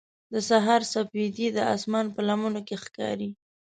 د سهار سپېدې د اسمان په لمنو کې ښکاري.